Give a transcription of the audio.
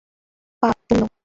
পাপ, পুণ্য!